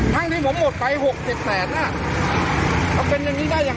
ทั้งที่ผมหมดไปหกเจ็ดแสนอ่ะก็เป็นอย่างงี้ได้อย่าง